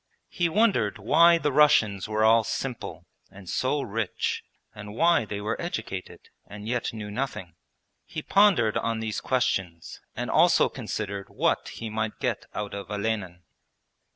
He wondered why the Russians were all 'simple' and so rich, and why they were educated, and yet knew nothing. He pondered on these questions and also considered what he might get out of Olenin.